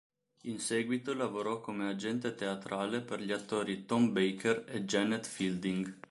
In seguito lavorò come agente teatrale per gli attori Tom Baker e Janet Fielding.